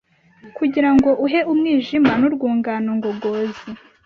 kugirango uhe umwijima n’urwungano ngogozi